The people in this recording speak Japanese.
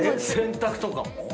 洗濯とかも？